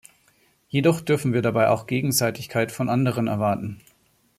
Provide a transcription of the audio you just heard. Jedoch dürfen wir dabei auch Gegenseitigkeit von anderen erwarten.